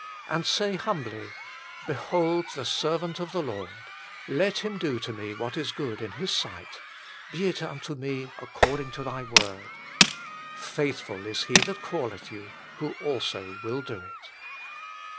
And say humbly : Behold the servant of the Lord. Let Him do to me what is good in His sight. Be it unto me according to Thy word* " Faithful is He that calleth you, WHO ALSO WILL DO IT."